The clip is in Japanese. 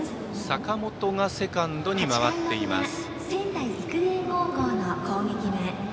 坂本がセカンドに回っています。